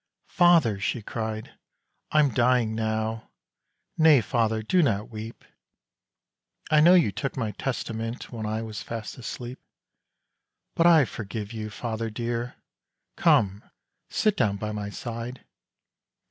"Father," she cried, "I'm dying now; Nay, father! do not weep! I know you took my Testament When I was fast asleep. "But I forgive you, father dear! Come! sit down by my side!